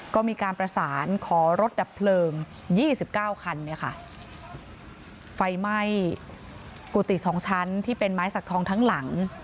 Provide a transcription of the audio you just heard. ก็มีการประสานขอรถดับเพลิง๒๙คันไฟไหม้กุฏิ๒ชั้นที่เป็นไม้สักทองทั้งหลัง